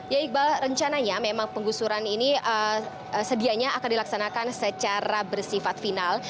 ya iqbal rencananya memang penggusuran ini sedianya akan dilaksanakan secara bersifat final